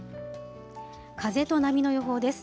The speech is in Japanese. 風と波の予報です。